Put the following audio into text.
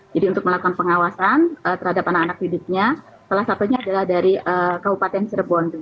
jadi untuk melakukan pengawasan terhadap anak anak hidupnya salah satunya adalah dari kabupaten cirebon